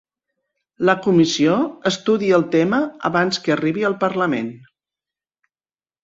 La Comissió estudia el tema abans que arribi al parlament.